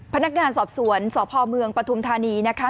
พนักงานสอบสวนสพเมืองปฐุมธานีนะคะ